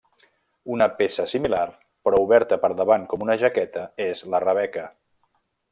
Una peça similar, però oberta per davant com una jaqueta, és la rebeca.